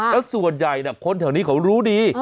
แล้วส่วนใหญ่คนแถวนี้เขารู้ดี